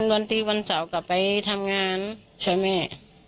วันตี้วันเศร้าก็ไปทำงานช่วยแม่